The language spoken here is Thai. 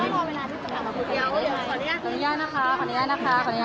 ไม่ค่ะเพราะว่ามันก็เป็นเรื่องปกติที่คนสละกันเนอะ